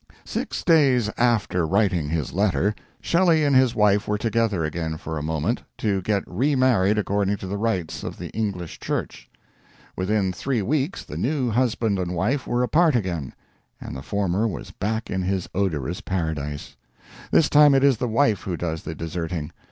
Six days after writing his letter Shelley and his wife were together again for a moment to get remarried according to the rites of the English Church. Within three weeks the new husband and wife were apart again, and the former was back in his odorous paradise. This time it is the wife who does the deserting.